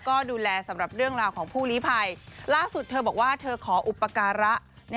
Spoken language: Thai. ก็ดูแลสำหรับเรื่องราวของผู้ลีภัยล่าสุดเธอบอกว่าเธอขออุปการะ